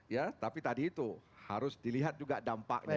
ya tapi tadi itu harus dilihat juga dampaknya